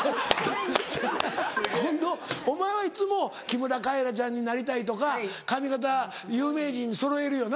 近藤お前はいつも木村カエラちゃんになりたいとか髪形有名人にそろえるよな。